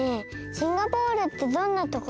シンガポールってどんなところ？